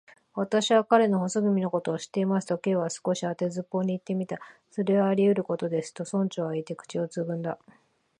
「私は彼の細君のことも知っています」と、Ｋ は少し当てずっぽうにいってみた。「それはありうることです」と、村長はいって、口をつぐんだ。